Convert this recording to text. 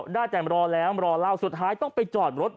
ได้แต่รอแล้วรอเล่าสุดท้ายต้องไปจอดรถ